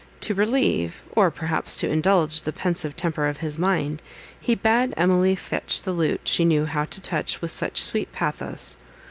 To relieve, or perhaps to indulge, the pensive temper of his mind, he bade Emily fetch the lute she knew how to touch with such sweet pathos.